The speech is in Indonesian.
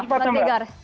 masih secepatnya mbak